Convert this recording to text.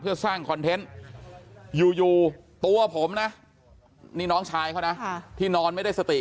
เพื่อสร้างคอนเทนต์อยู่ตัวผมนะนี่น้องชายเขานะที่นอนไม่ได้สติ